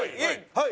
はい。